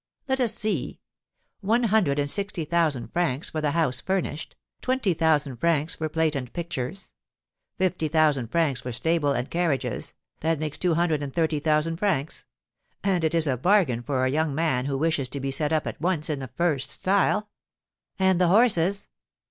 Let us see. One hundred and sixty thousand francs for the house furnished, twenty thousand francs for plate and pictures, fifty thousand francs for stable and carriages, that makes two hundred and thirty thousand francs; and it is a bargain for a young man who wishes to be set up at once in the first style." "And the horses!"